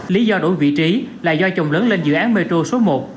lý do đổi vị trí là do chồng lớn lên dự án metro số một